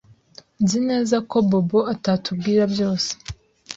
Nzi neza ko Bobo atatubwira byose.